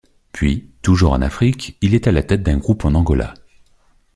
Puis, toujours en Afrique, il est à la tête d'un groupe en Angola.